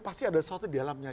pasti ada sesuatu di dalamnya